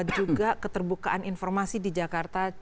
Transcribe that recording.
juga keterbukaan informasi di jakarta